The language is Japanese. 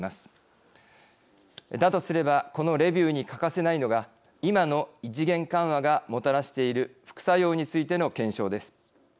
だとすればこのレビューに欠かせないのが今の異次元緩和がもたらしている副作用についての検証です。